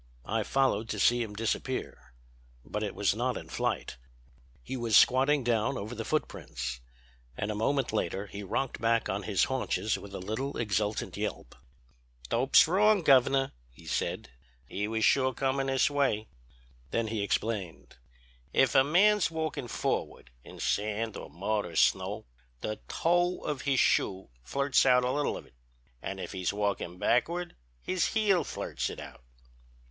I followed to see him disappear. But it was not in flight; he was squatting down over the footprints. And a moment later he rocked back on his haunches with a little exultant yelp. "'Dope's wrong, Governor,' he said; 'he was sure comin' this way.' Then he explained: 'If a man's walkin' forward in sand or mud or snow the toe of his shoe flirts out a little of it, an' if he's walkin' backward his heel flirts it out.'